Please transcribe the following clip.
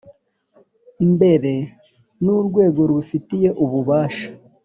Mbere n urwego rubifitiye ububasha